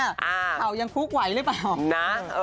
เขายังคลุกไหวหรือเปล่า